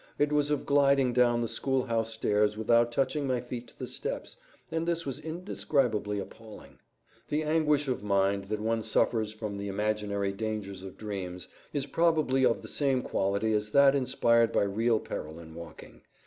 It was of gliding down the school house stairs without touching my feet to the steps, and this was indescribably appalling. The anguish of mind that one suffers from the imaginary dangers of dreams is probably of the same quality as that inspired by real peril in waking.